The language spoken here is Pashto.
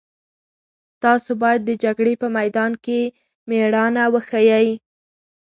تاسو باید د جګړې په میدان کې مېړانه وښيئ.